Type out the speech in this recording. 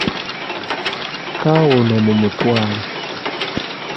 Kaawa ono naye mumutwale.